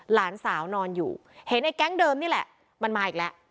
หลานสาวนอนอยู่เห็นไอ้แก๊งเดิมนี่แหละมันมาอีกแล้ว